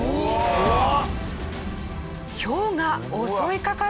怖っ！